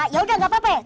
ya udah gapapa ya